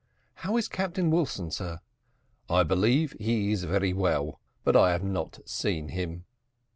"How is Captain Wilson, sir?" "I believe he is very well, but I have not seen him."